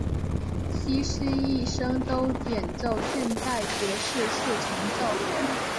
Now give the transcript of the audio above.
希斯一生都演奏现代爵士四重奏。